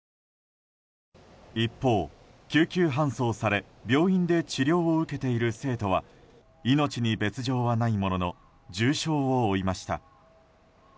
一方、救急搬送され病院で治療を受けている生徒は命に別条はないものの重傷を負いました。